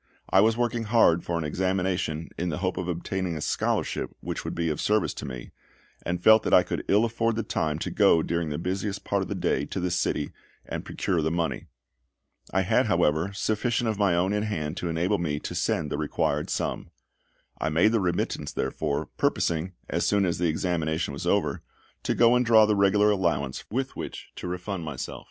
I was working hard for an examination in the hope of obtaining a scholarship which would be of service to me, and felt that I could ill afford the time to go during the busiest part of the day to the city and procure the money. I had, however, sufficient of my own in hand to enable me to send the required sum. I made the remittance therefore, purposing, as soon as the examination was over, to go and draw the regular allowance with which to refund myself.